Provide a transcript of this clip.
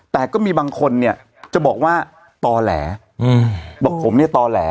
แต่ก็มีบางคนเนี่ยจะบอกว่าต่อแหลบอกผมเนี่ยต่อแหล